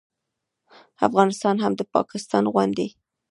افغانستان هم د پاکستان غوندې